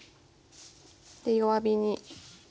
で弱火に。